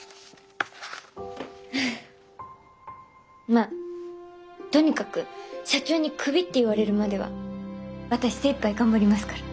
まあとにかく社長にクビって言われるまでは私精いっぱい頑張りますから。